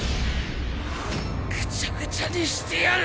ぐちゃぐちゃにしてやる。